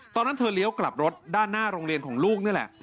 ตอนนั้นเธอเลี้ยวกลับรถด้านหน้าโรงเรียนของลูกนี่แหละ